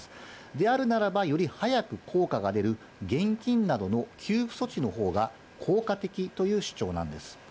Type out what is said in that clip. であるならば、より早く効果が出る現金などの給付措置のほうが効果的という主張なんです。